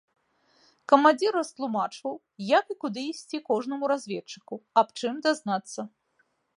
Камандзір растлумачваў, як і куды ісці кожнаму разведчыку, аб чым дазнацца.